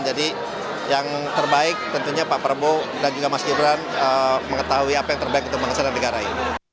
jadi yang terbaik tentunya pak prabowo dan juga mas gibran mengetahui apa yang terbaik untuk mengesan dan dikarahi